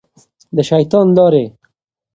د شیطان لارې.